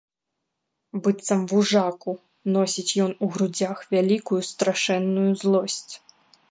Быццам вужаку, носіць ён у грудзях вялікую, страшэнную злосць.